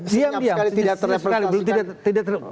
diam diam senyap sekali tidak terreplikasikan